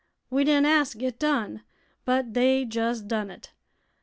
We didn't ask it done, but they jes' done it.